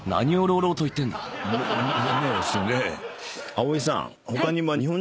葵さん。